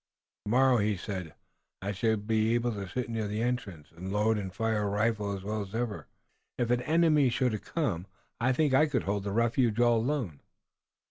"Tomorrow," he said, "I shall be able to sit near the entrance and load and fire a rifle as well as ever. If an enemy should come I think I could hold the refuge alone."